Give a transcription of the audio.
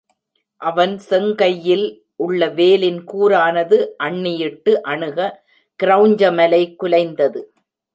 அவன் செங்கையில் உள்ள வேலின் கூரானது அண்ணியிட்டு, அணுக, கிரெளஞ்ச மலை குலைந்தது.